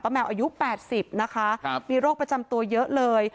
แมวอายุ๘๐นะคะมีโรคประจำตัวเยอะเลย